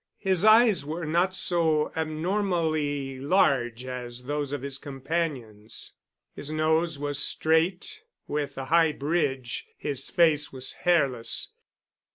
His eyes were not so abnormally large as those of his companions. His nose was straight, with a high bridge. His face was hairless.